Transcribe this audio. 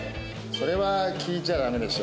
それは聞いちゃダメでしょ。